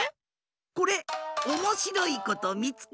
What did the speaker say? これおもしろいことみつけ